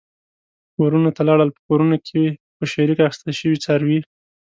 کورونو ته لاړل، په کورونو کې په شریکه اخیستل شوي څاروي.